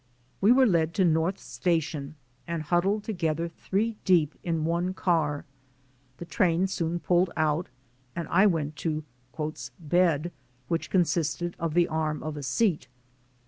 We were led to North Station and huddled together three deep in one car. The train soon pulled out and I went to "bed," which consisted of the arm of a seat.